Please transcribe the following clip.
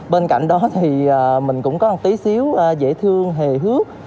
bên cạnh đó thì mình cũng có một tí xíu dễ thương hề hước